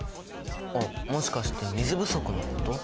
あっもしかして水不足のこと？